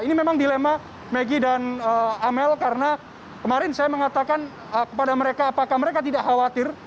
ini memang dilema maggie dan amel karena kemarin saya mengatakan kepada mereka apakah mereka tidak khawatir